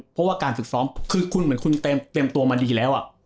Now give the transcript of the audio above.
เพราะว่าการฝึกซ้อมคือคุณเหมือนคุณเตรียมตัวมาดีแล้ว